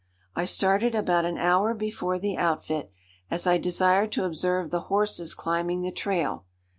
I started about an hour before the outfit, as I desired to observe the horses climbing the trail.